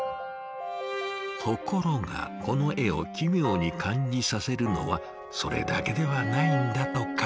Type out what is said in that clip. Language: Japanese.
ところがこの絵を奇妙に感じさせるのはそれだけではないんだとか。